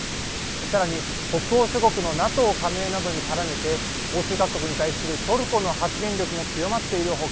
さらに、北欧諸国のＮＡＴＯ加盟などに絡めて欧州各国に対するトルコの発言力も強まっている他